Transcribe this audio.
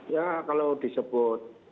ya kalau disebut